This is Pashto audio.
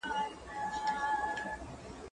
زه بايد کتابتون ته ولاړ سم!.